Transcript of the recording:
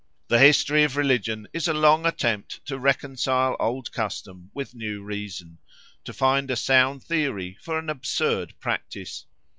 The history of religion is a long attempt to reconcile old custom with new reason, to find a sound theory for an absurd practice.